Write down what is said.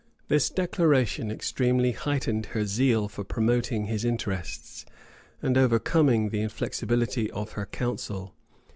This declaration extremely heightened her zeal for promoting his interests, and overcoming the inflexibility of her council.